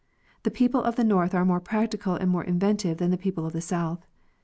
The people of the north are more practical and more inventive than the people of the south.